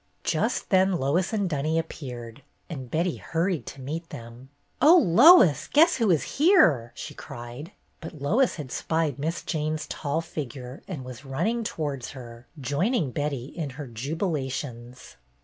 Just then Lois and Dunny appeared, and Betty hurried to meet them. "Oh, Lois, guess who is here!" she cried. But Lois had spied Miss Jane's tall figure and was running towards her, joining Betty in her jubilations.